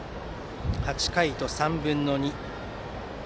８回と３分の２。